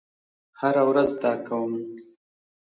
هره ورځ دا کوم